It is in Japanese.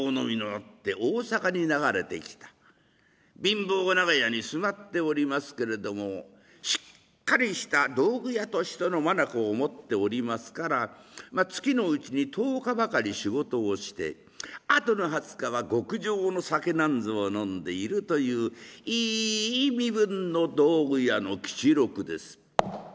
貧乏長屋に住まっておりますけれどもしっかりした道具屋としての眼を持っておりますから月のうちに１０日ばかり仕事をしてあとの２０日は極上の酒なんぞを飲んでいるといういい身分の道具屋の吉六です。